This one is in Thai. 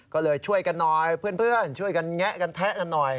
ก็เลยช่วยกันหน่อยเพื่อนช่วยกันแงะกันแทะกันหน่อย